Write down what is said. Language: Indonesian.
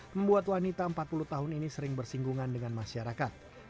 membuat wanita empat puluh tahun ini sering bersinggungan dengan masyarakat